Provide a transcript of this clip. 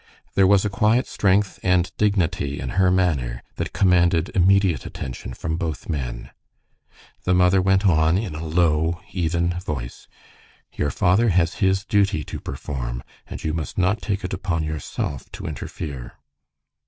There was a quiet strength and dignity in her manner that commanded immediate attention from both men. The mother went on in a low, even voice, "Your father has his duty to perform, and you must not take upon yourself to interfere."